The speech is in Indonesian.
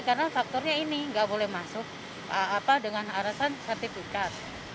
karena faktornya ini nggak boleh masuk dengan alasan sertifikat